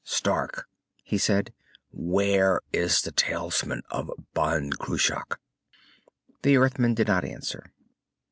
"Stark," he said. "Where is the talisman of Ban Cruach?" The Earthman did not answer.